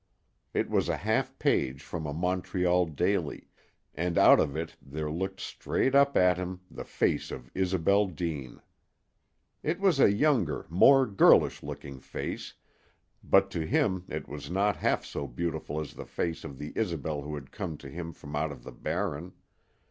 It was a half page from a Montreal daily, and out of it there looked straight up at him the face of Isobel Deane. It was a younger, more girlish looking face, but to him it was not half so beautiful as the face of the Isobel who had come to him from out of the Barren.